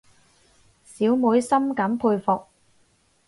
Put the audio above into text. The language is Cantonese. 小妹深感佩服